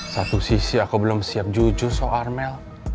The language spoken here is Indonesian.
satu sisi aku belum siap jujur soal armel